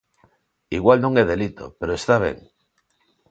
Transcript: Igual non é delito, ¿pero está ben?